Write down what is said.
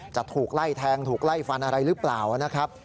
จะถูกไล่แทงถูกไล่ฟันอะไรหรือเปล่านะครับ